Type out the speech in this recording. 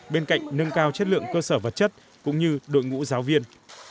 bên cạnh nâng cao chất lượng cơ sở vật chất cũng như đội ngũ giáo viên